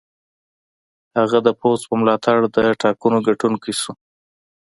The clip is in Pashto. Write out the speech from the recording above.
هغه د پوځ په ملاتړ د ټاکنو ګټونکی شو.